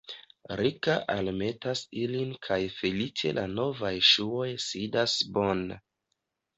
Rika almetas ilin kaj feliĉe la novaj ŝuoj sidas bone.